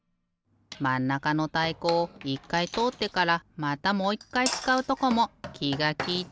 まんなかのたいこを１かいとおってからまたもう１かいつかうとこもきがきいてる。